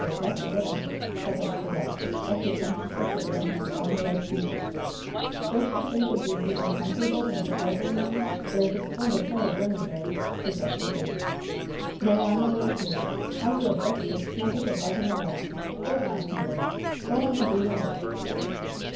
That's a good un!" chuckled the guest, as she crunched the sugar in her strong, white teeth. "Don't yer think as yer'd be more comferable in de parlor, ma'am? Dere's a splendid fire burning dere," suggested Luce. "No. I'm all right here. I feel just as 'snug as a bug in a rug.' Don't mind, nigger. Go on and do your work."